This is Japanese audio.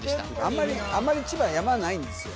あんまりあんまり千葉山ないんですよ